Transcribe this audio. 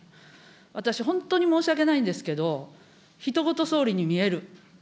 私、本当に申し訳ないんですけど、ひと事総理に見える。